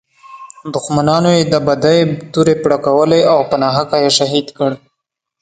دښمنانو یې د بدۍ تورې پړکولې او په ناحقه یې شهید کړ.